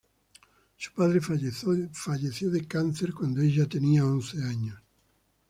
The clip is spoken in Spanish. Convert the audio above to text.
Su padre falleció de cáncer cuando ella tenía once años.